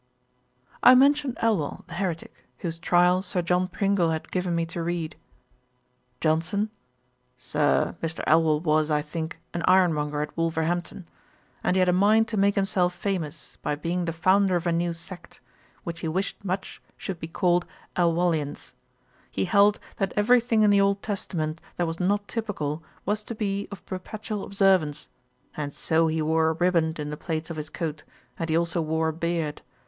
I mentioned Elwal, the heretick, whose trial Sir John Pringle had given me to read. JOHNSON. 'Sir, Mr. Elwal was, I think, an ironmonger at Wolverhampton; and he had a mind to make himself famous, by being the founder of a new sect, which he wished much should be called Elwallians. He held, that every thing in the Old Testament that was not typical, was to be of perpetual observance; and so he wore a ribband in the plaits of his coat, and he also wore a beard.